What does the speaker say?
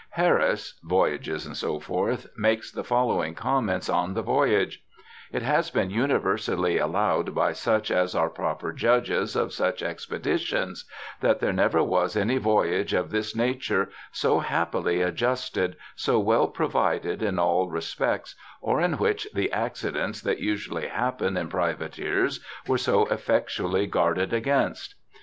Harris (Voyages, &c.) makes the following comments on the voyage : 'It has been universally allowed by such as are proper judges of such expeditions that there never was any voyage of this nature so happily ad justed, so well provided in all respects, or in which the accidents that usually happen in Privateers were so effectually guarded against.'